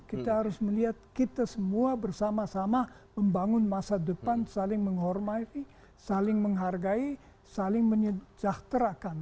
kita harus melihat kita semua bersama sama membangun masa depan saling menghormati saling menghargai saling menyejahterakan